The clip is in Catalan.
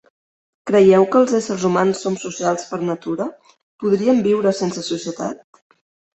Creieu que els éssers humans som socials per natura? Podríem viure sense societat?